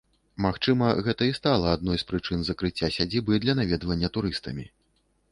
Магчыма, гэта і стала адной з прычын закрыцця сядзібы для наведвання турыстамі.